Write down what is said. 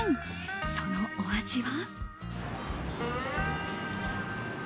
そのお味は。